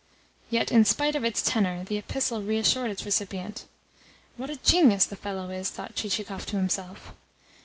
Yet, in spite of its tenor, the epistle reassured its recipient. "What a genius the fellow is!" thought Chichikov to himself.